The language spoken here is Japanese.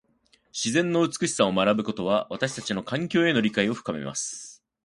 自然の美しさを学ぶことは、私たちの環境への理解を深めます。